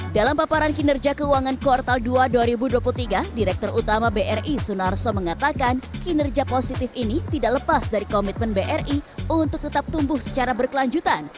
dalam paparan kinerja keuangan kuartal dua dua ribu dua puluh tiga direktur utama bri sunarso mengatakan kinerja positif ini tidak lepas dari komitmen bri untuk tetap tumbuh secara berkelanjutan